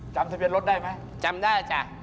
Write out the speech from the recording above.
จำสัญญานรถได้ไหมจำได้ค่ะ